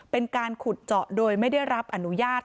เป็นการขุดเจาะโดยไม่ได้รับอนุญาต